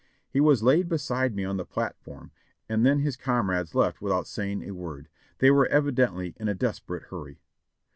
He was laid beside me on the platform, and then his comrades left without saying a word. They were evidently in a desperate hurry.